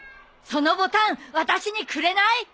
そのボタン私にくれない？